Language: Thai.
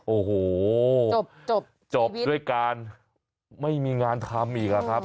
โอ้โหจบจบด้วยการไม่มีงานทำอีกอะครับ